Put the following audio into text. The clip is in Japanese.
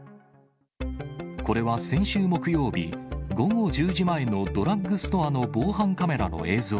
これは、先週木曜日午後１０時前のドラッグストアの防犯カメラの映像。